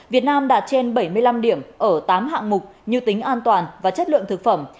việt nam đạt trên bảy mươi năm điểm ở tám hạng mục như tính an toàn và chất lượng thực phẩm